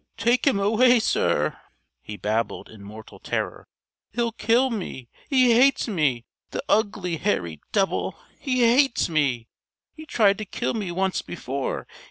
"Take him away, sir!" he babbled in mortal terror. "He'll kill me! He hates me, the ugly hairy devil! He hates me. He tried to kill me once before!